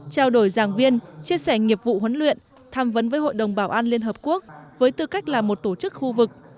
trao đổi giảng viên chia sẻ nghiệp vụ huấn luyện tham vấn với hội đồng bảo an liên hợp quốc với tư cách là một tổ chức khu vực